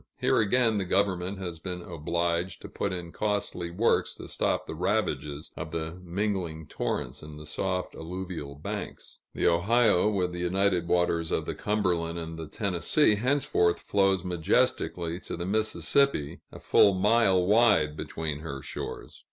Here again the government has been obliged to put in costly works to stop the ravages of the mingling torrents in the soft alluvial banks. The Ohio, with the united waters of the Cumberland and the Tennessee, henceforth flows majestically to the Mississippi, a full mile wide between her shores.